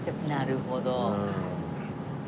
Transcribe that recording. なるほど。